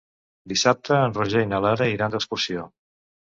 Dissabte en Roger i na Lara iran d'excursió.